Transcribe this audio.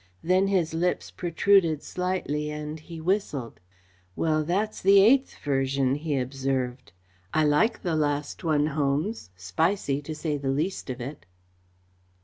Then his lips protruded slightly and he whistled. "Well, that's the eighth version," he observed. "I like the last one, Holmes spicy, to say the least of it!"